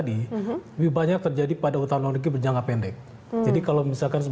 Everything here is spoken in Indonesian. yang lebih besar jadi yang produju itu adalah memberikan understand